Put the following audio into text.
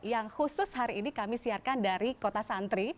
yang khusus hari ini kami siarkan dari kota santri